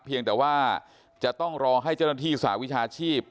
เพียงแต่ว่าจะต้องรอให้เจ้าหน้าที่สหวิชาชีพ